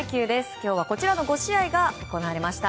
今日は５試合が行われました。